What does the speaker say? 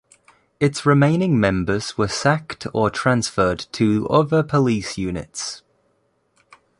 Its remaining members were sacked or transferred to other police units.